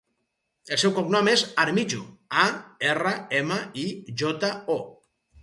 El seu cognom és Armijo: a, erra, ema, i, jota, o.